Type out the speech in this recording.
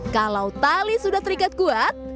kalau tali sudah terikat kuat